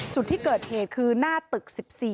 จุดที่เกิดเหตุคือหน้าตึก๑๔